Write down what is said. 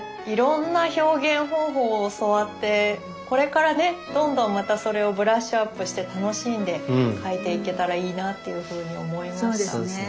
いろんな表現方法を教わってこれからねどんどんまたそれをブラッシュアップして楽しんで描いていけたらいいなっていうふうに思いましたね。